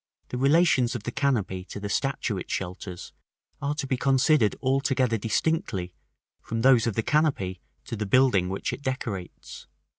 The relations of the canopy to the statue it shelters, are to be considered altogether distinctly from those of the canopy to the building which it decorates.